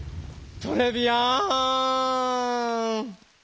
トレビアーン！